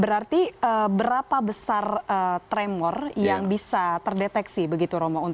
berarti berapa besar tremor yang bisa terdeteksi begitu romo